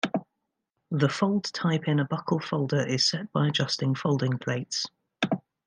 The fold type in a buckle folder is set by adjusting folding plates.